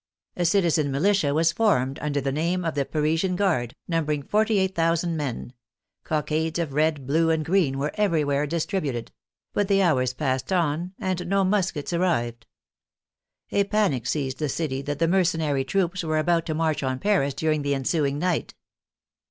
A citizen militia was formed under the name of the Par isian Guard, numbering 48,000 men; cockades of red, .blue, and green were everywhere distributed ; but the hours passed on and no muskets arrived. A panic seized the city that the mercenary troops were about to march on Paris during the ensuing night.